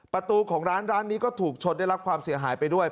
ประตูของร้านร้านนี้ก็ถูกชนได้รับความเสียหายไปด้วย